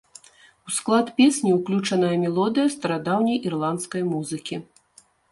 У склад песні ўключаная мелодыя старадаўняй ірландскай музыкі.